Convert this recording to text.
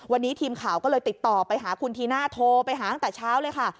วันนี้ทีมข่าวก็เลยติดต่อไปหาคุณธีน่าโทรไปหาตั้งแต่เช้าเลยค่ะ